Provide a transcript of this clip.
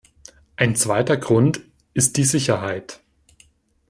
Ein zweiter Grund ist die Sicherheit.